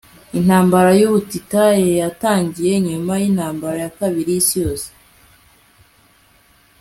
Intambara yubutita yatangiye nyuma yintambara ya kabiri yisi yose